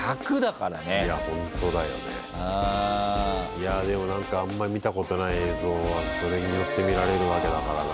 いやでも何かあんまり見たことない映像がそれによって見られるわけだからな。